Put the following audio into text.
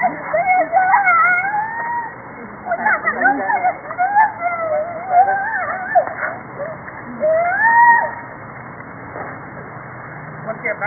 ขอบคุณที่ทำดีดีกับแม่ของฉันหน่อยครับ